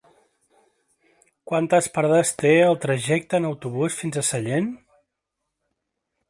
Quantes parades té el trajecte en autobús fins a Sallent?